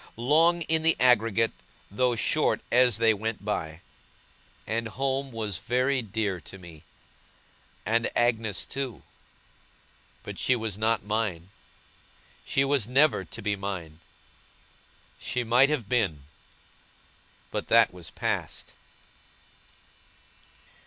Long in the aggregate, though short as they went by. And home was very dear to me, and Agnes too but she was not mine she was never to be mine. She might have been, but that was past!